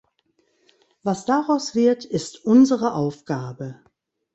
Was daraus wird, ist unsere Aufgabe.